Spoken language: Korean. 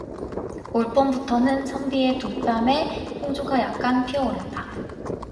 올봄부터는 선비의 두 뺨에 홍조가 약간 피어오른다.